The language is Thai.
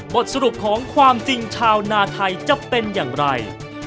บทสรุปของความจริงชาวนาไทยจะเป็นอย่างไร